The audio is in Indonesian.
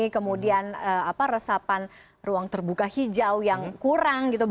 kemudian resapan ruang terbuka hijau yang kurang gitu